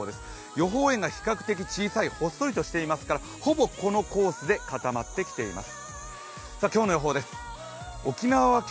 予報円が比較的小さい、ほっそりとしていますからほぼこのコースで固まってきています。